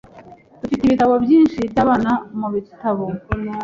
Dufite ibitabo byinshi byabana mubitabo.